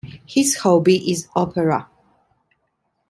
His hobby is opera.